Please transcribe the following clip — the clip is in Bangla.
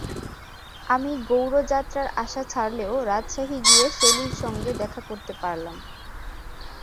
আমি গৌড় যাত্রার আশা ছাড়লেও রাজশাহী গিয়ে শেলীর সঙ্গে দেখা করতে পারলাম।